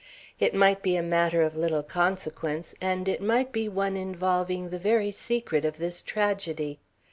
It might be a matter of little consequence, and it might be one involving the very secret of this tragedy.